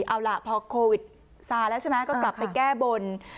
เอาล่ะพอโควิดซาแล้วใช่ไหมก็กลับไปแก้บน